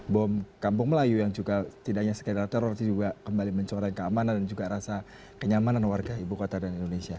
bom kampung melayu yang juga tidak hanya sekedar teror tapi juga kembali mencoreng keamanan dan juga rasa kenyamanan warga ibu kota dan indonesia